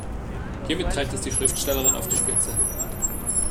Hiermit treibt es die Schriftstellerin auf die Spitze.